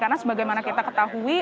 karena sebagaimana kita ketahui